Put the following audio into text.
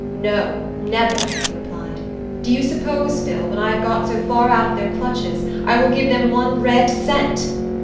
"No, never!" he replied. "Do you suppose, Phil, when I have got so far out of their clutches, I will give them one red cent?